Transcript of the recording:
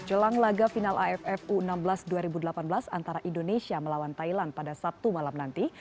jelang laga final aff u enam belas dua ribu delapan belas antara indonesia melawan thailand pada sabtu malam nanti